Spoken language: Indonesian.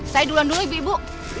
saya duluan dulu ibu ibu